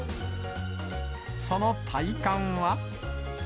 その体感は？